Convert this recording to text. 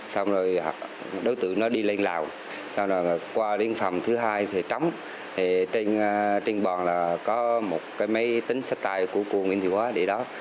sau đó qua đến phòng thứ hai thì trống thì trên bọn là có một cái máy tính sách tay của cô nguyễn thị hóa để đó